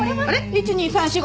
１２３４５。